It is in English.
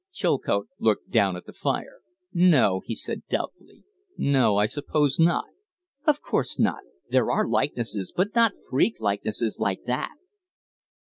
Chilcote looked down at the fire. "No," he said, doubtfully. "No. I suppose not." "Of course not. There are likenesses, but not freak likenesses like that."